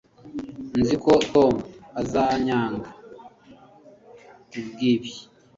nzi ko tom azanyanga kubwibi